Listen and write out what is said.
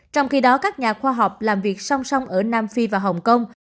trong khi đó các nhà khoa học làm việc song song ở nam phi và hồng kông